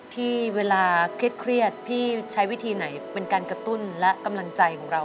ที่เวลาเครียดพี่ใช้วิธีไหนเป็นการกระตุ้นและกำลังใจของเรา